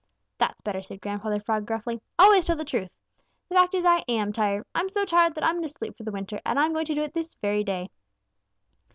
"That's better," said Grandfather Frog gruffly. "Always tell the truth. The fact is I am tired. I am so tired that I'm going to sleep for the winter, and I'm going to do it this very day."